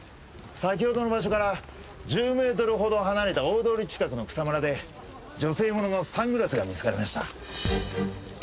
先ほどの場所から１０メートルほど離れた大通り近くの草むらで女性もののサングラスが見つかりました。